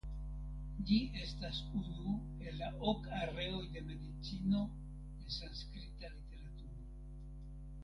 Ĝi estas unu el la ok areoj de medicino en sanskrita literaturo.